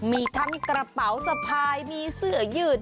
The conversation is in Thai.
มีทั้งกระเป๋าสะพายมีเสื้อยืด